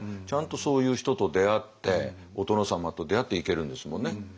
ちゃんとそういう人と出会ってお殿様と出会って行けるんですもんね。